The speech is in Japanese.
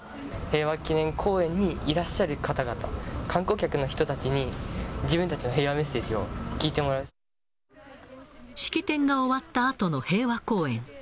平和記念公園にいらっしゃる方々、観光客の人たちに、自分たちの平和メッセージを聞いてもら式典が終わったあとの平和公園。